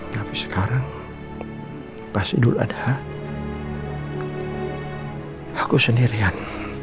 tapi sekarang pas idul adha aku sendirian